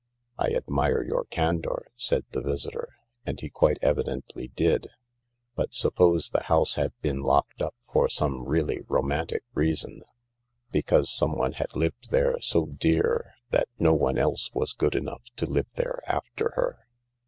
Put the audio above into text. " I admire your candour," said the visitor, and he quite evidently did ;" but suppose the house had been locked up for some really romantic reason — because someone had lived there so dear that no one else was good enough to live there after her